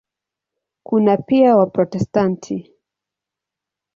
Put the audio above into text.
Kuna pia Waprotestanti.